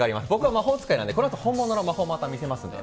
魔法使いなんで、このあと本物の魔法をまた見せますので。